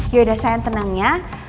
yaudah sayang tenang ya